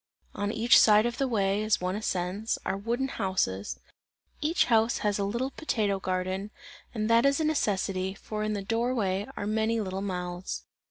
On each side of the way, as one ascends, are wooden houses; each house has a little potato garden, and that is a necessity, for in the door way are many little mouths.